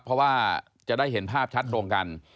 เพราะว่าจะได้เห็นภาพชัดตรงกัน